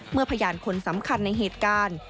พยานคนสำคัญในเหตุการณ์